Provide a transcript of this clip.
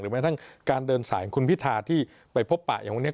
แม้ทั้งการเดินสายของคุณพิธาที่ไปพบปะอย่างวันนี้